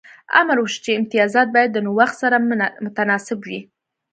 امر وشو چې امتیازات باید له نوښت سره متناسب وي.